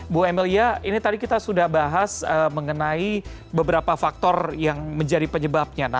bu emilia ini tadi kita sudah bahas mengenai beberapa faktor yang menjadi penyebabnya